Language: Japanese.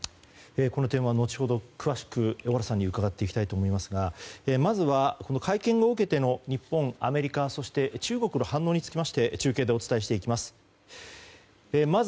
この点は後ほど詳しく小原さんに伺っていきますがまずは会見を受けての日本、アメリカ、中国の反応につきまして中継でお伝えしていきます。